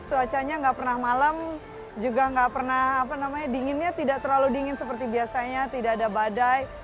cuacanya nggak pernah malam juga nggak pernah apa namanya dinginnya tidak terlalu dingin seperti biasanya tidak ada badai